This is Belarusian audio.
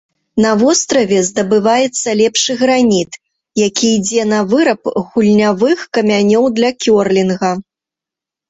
На востраве здабываецца лепшы граніт, які ідзе на выраб гульнявых камянёў для кёрлінга.